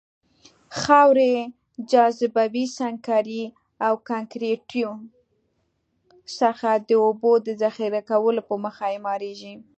خاورې، جاذبوي سنګکارۍ او کانکریتو څخه د اوبو د ذخیره کولو په موخه اعماريږي.